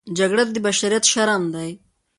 جګړه د بشریت شرم دی